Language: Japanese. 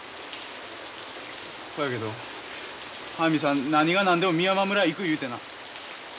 ほやけど速水さん何が何でも美山村へ行く言うてな。